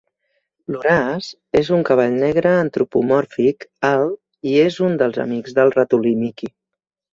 L'Horace és un cavall negre antropomòrfic alt i és un dels amics del ratolí Mickey.